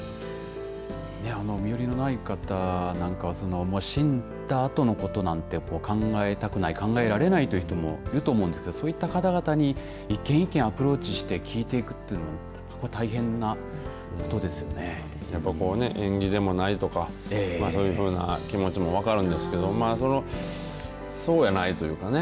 身寄りのない方なんかは死んだあとのことなんて考えたくない、考えられないという人もいると思うんですけどそういった方々に１件、１件アプローチして聞いていくっていうのやっぱり縁起でもないとかそういうふうな気持ちも分かるんですけどそうやないというかね。